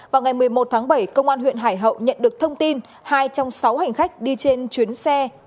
vào ngày một mươi một tháng bảy công an huyện hải hậu nhận được thông tin hai trong sáu hành khách đi trên chuyến xe